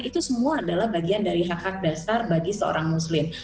itu semua adalah bagian dari hak hak dasar bagi seorang muslim